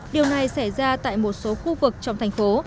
điều này xảy ra tại một số khu vực trong thành phố